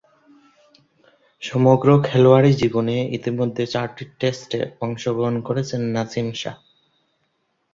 সমগ্র খেলোয়াড়ী জীবনে ইতোমধ্যে চারটি টেস্টে অংশগ্রহণ করেছেন নাসিম শাহ।